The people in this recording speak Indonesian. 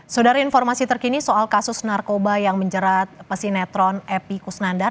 saudara informasi terkini soal kasus narkoba yang menjerat pesinetron epi kusnandar